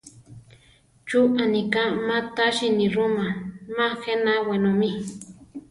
¿Chú aniká má tasi nirúma ma jéna wenómi?